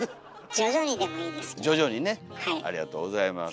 徐々にねありがとうございます。